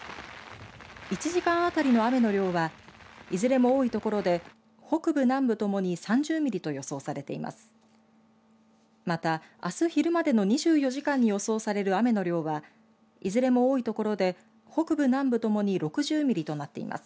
１時間あたりの雨の量はいずれも多い所で北部、南部ともに３０ミリと予想されています。